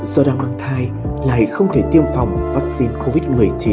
do đang mang thai lại không thể tiêm phòng vaccine covid một mươi chín